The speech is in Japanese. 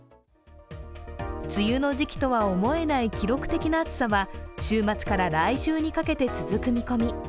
梅雨の時期とは思えない記録的な暑さは週末から来週にかけて続く見込み。